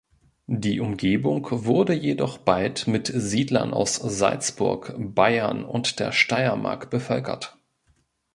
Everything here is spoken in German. Die Umgebung wurde jedoch bald mit Siedlern aus Salzburg, Bayern und der Steiermark bevölkert.